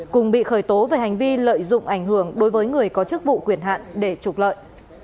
cùng bị khởi tố về hành vi lợi dụng ảnh hưởng đối với người có chức vụ quyền hạn để trục lợi